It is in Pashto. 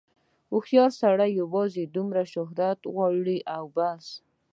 هوښیار سړی یوازې دومره شهرت غواړي او بس.